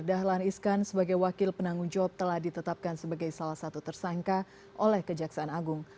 dahlan iskan sebagai wakil penanggung jawab telah ditetapkan sebagai salah satu tersangka oleh kejaksaan agung